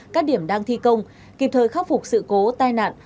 các điểm đang thi công kịp thời khắc phục sự cố tai nạn